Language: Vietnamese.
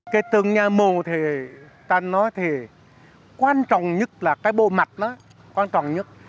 cái tượng nhà mồ thì ta nói thì quan trọng nhất là cái bộ mặt đó quan trọng nhất